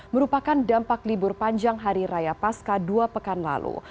merupakan dampak libur panjang hari raya pasca dua pekan lalu